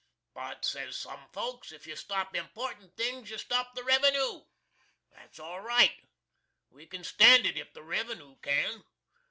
But, says sum folks, if you stop importin' things you stop the revenoo. That's all right. We can stand it if the Revenoo can.